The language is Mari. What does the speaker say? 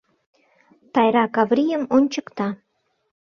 Тайра Каврийым ончыкта: